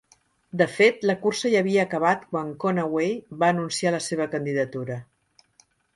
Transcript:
De fet, la cursa ja havia acabat quan Conaway va anunciar la seva candidatura.